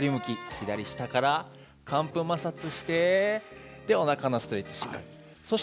左下から乾布摩擦しておなかのストレッチをします。